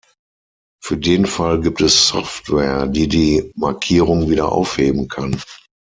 Für den Fall gibt es Software, die die Markierung wieder aufheben kann.